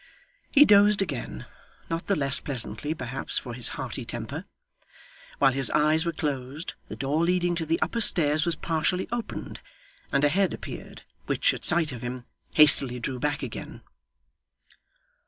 He dozed again not the less pleasantly, perhaps, for his hearty temper. While his eyes were closed, the door leading to the upper stairs was partially opened; and a head appeared, which, at sight of him, hastily drew back again.